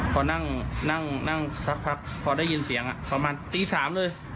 พอนั่งนั่งสักพักพอได้ยินเสียงประมาณตี๓เลย